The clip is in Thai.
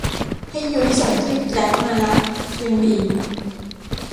ให้ยุ้ยส่งขึ้นแกร๊บมาละ ยังดี